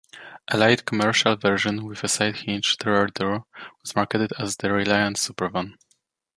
A light-commercial version with a side-hinged rear door was marketed as the Reliant Supervan.